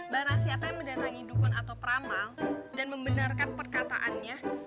barang siapa yang mendatangi dukun atau pramal dan membenarkan perkataannya